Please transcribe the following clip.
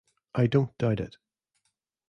I don’t doubt it.